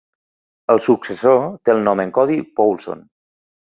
El successor té el nom en codi "Poulson".